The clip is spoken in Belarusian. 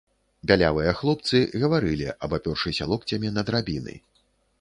Бялявыя хлопцы гаварылі, абапёршыся локцямі на драбіны.